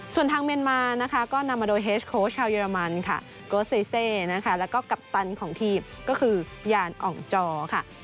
ส่วนทางเมียนมานะคะก็นำมาโดยเฮสโค้ชชาวเยอรมันค่ะโกเซเซนะคะแล้วก็กัปตันของทีมก็คือยานอ่องจอค่ะ